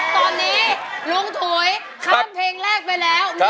ตอนนี้ลุงถุยข้ามเพลงแรกไปแล้ว